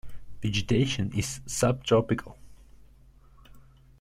Vegetation is subtropical.